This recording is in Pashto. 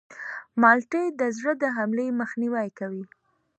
مالټې د زړه د حملې مخنیوی کوي.